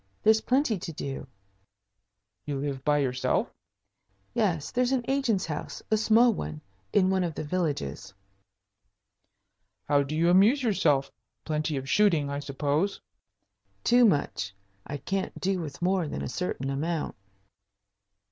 There's plenty to do." "You live by yourself?" "Yes. There's an agent's house a small one in one of the villages." "How do you amuse yourself? Plenty of shooting, I suppose?" "Too much. I can't do with more than a certain amount."